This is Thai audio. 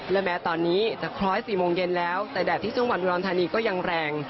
และแม้ตอนนี้จะคล้อย๔โมงเย็นแล้วแต่แดดที่จังหวัดอุดรธานีก็ยังแรง